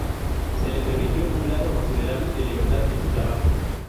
Se le permitió un grado considerable de libertad en su trabajo.